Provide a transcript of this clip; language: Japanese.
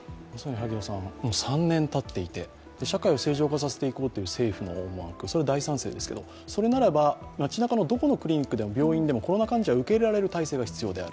もう３年たっていて、社会を正常化させていこうという政府の思惑、それは大賛成ですけど、それならば町なかのどこの病院でもコロナ患者を受け入れられる体制が必要である。